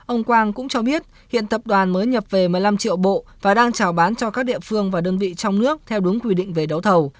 ông quang cũng cho biết hiện tập đoàn mới nhập về một mươi năm triệu bộ và đang trào bán cho các địa phương và đơn vị trong nước theo đúng quy định về đấu thầu